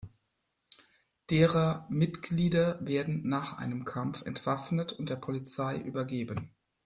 Derer Mitglieder werden nach einem Kampf entwaffnet und der Polizei übergeben.